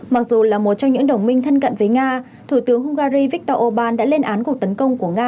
mặc dù là một trong những đồng minh thân cận với nga thủ tướng hungary viktor orbán đã lên án cuộc tấn công của nga